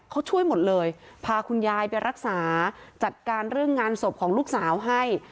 เขาช่วยหมดเลยพาคุณยายไปรักษาจัดการเรื่องงานศพของลูกสาวให้